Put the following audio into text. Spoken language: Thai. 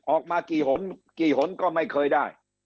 ออกมากี่หนก็ไม่เคยได้